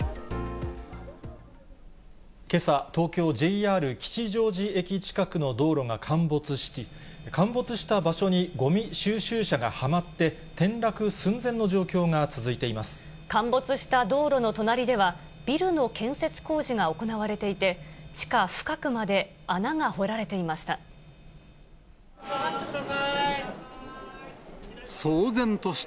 けさ、東京・ＪＲ吉祥寺駅近くの道路が陥没し、陥没した場所にごみ収集車がはまって、陥没した道路の隣では、ビルの建設工事が行われていて、地下深くまで穴が掘られていました。